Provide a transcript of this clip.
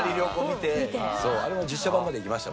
あれも実写版までいきました